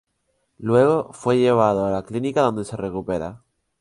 Luego fue llevado a la clínica donde se recupera.